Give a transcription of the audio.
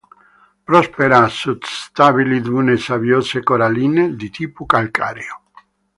Prospera su stabili dune sabbiose-coralline di tipo calcareo.